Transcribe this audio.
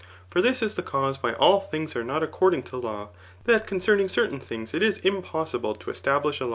For this 1$. the cause why all things are not according to law, that ' cdmcerning certain things it is impossible to establish a